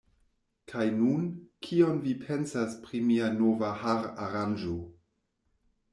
Kaj nun, kion vi pensas pri mia nova hararanĝo?